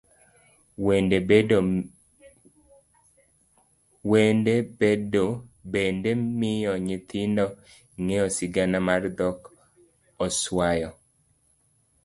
Wende bende miyo nyithindo ng'eyo sigana mar dhok oswayo.